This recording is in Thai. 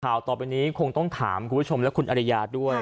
ข่าวต่อไปคงต้องถามกุธชมแล้วคุณอริยาโดย